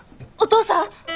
お父さん！？